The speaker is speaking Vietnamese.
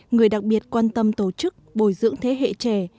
người đặc biệt quan tâm tổ chức bồi dưỡng thế hệ trẻ